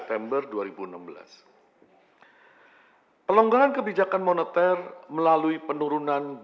kami berharap bapak ibu bapak ibu yang telah menerima pertumbuhan di sini